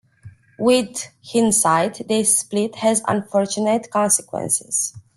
With hindsight, this split had unfortunate consequences.